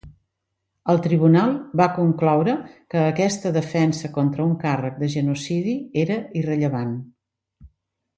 El tribunal va concloure que aquesta defensa contra un càrrec de genocidi era irrellevant.